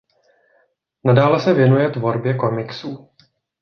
Nadále se věnuje tvorbě komiksů.